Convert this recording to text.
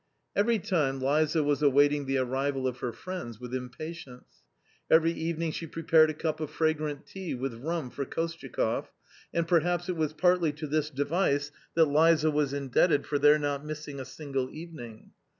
Every time Liza was awaiting the arrival of her friends with impatience. Every evening she prepared a cup of fragrant tea with rum for Kostyakoff — and perhaps it was partly to this device that Liza was indebted for their not missing a single evening.